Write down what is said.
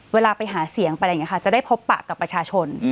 เวลาไปหาเสียงไปอะไรอย่างนี้ค่ะจะได้พบปะกับประชาชน